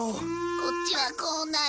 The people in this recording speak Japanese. こっちはこうなる。